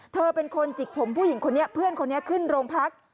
เธอเป็นคนจิกผมผู้หญิงคนนี้เพื่อนคนนี้ขึ้นโรงพัก